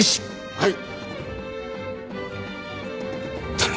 はい。